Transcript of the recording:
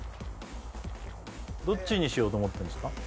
どっちにしようと思ってるんですか？